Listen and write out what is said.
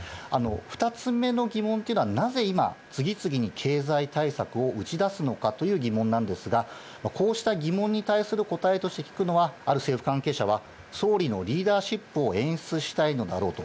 ２つ目の疑問というのは、なぜ今、次々に経済対策を打ち出すのかという疑問なんですが、こうした疑問に対する答えとして聞くのは、ある政府関係者は、総理のリーダーシップを演出したいのだろうと。